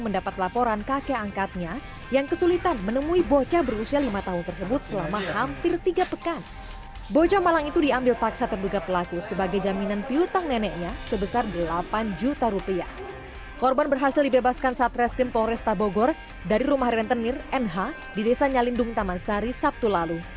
di desa nyalindung taman sari sabtu lalu